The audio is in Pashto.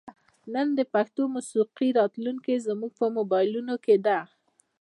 نن د پښتو موسیقۍ راتلونکې زموږ په موبایلونو کې ده.